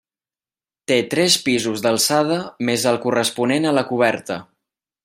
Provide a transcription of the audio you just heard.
Té tres pisos d'alçada més el corresponent a la coberta.